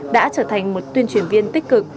đã trở thành một tuyên truyền viên tích cực